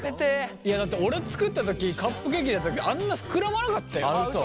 いやだって俺作った時カップケーキだったけどあんな膨らまなかったよ。